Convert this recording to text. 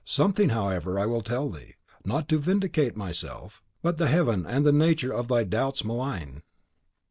Something, however, will I tell thee, not to vindicate myself, but the Heaven and the Nature that thy doubts malign."